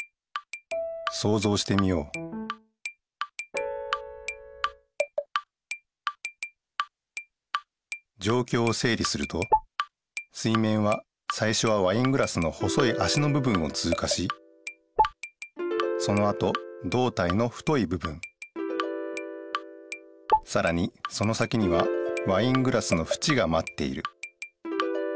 そうぞうしてみようじょうきょうをせい理すると水面はさいしょはワイングラスの細いあしのぶ分をつうかしそのあとどうたいの太いぶ分さらにその先にはワイングラスのふちがまっている